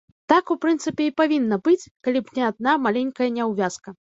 Так, у прынцыпе, і павінна быць, калі б не адна маленькая няўвязка.